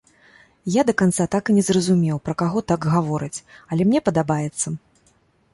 Я да канца так і не зразумеў, пра каго так гавораць, але мне падабаецца.